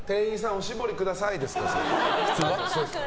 おしぼりくださいで済みますから。